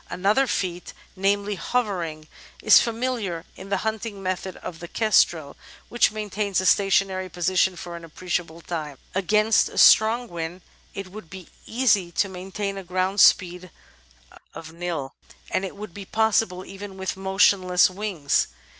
Another feat, namely hovering, is familiar in the hunting methods of the Kestrel, which maintains a stationary position for an appreciable time. Against a strong wind it would be easy to maintain a grov/nd speed of ml, and it would be possible even with motionless wings.